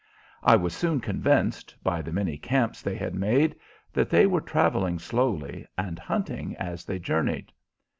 I was soon convinced, by the many camps they had made, that they were traveling slowly, and hunting as they journeyed.